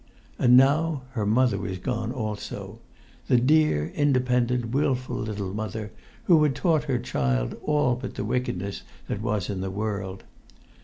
And now her mother was gone also; the dear, independent,[Pg 88] wilful little mother, who had taught her child all but the wickedness that was in the world!